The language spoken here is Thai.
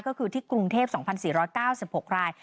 ก็คือที่กรุงเทพ๒๔๙๖ราย